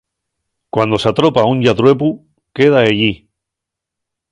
Cuando s'atropa a un lladruepu queda ellí.